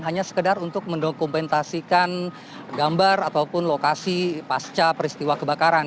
hanya sekedar untuk mendokumentasikan gambar ataupun lokasi pasca peristiwa kebakaran